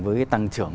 với cái tăng trưởng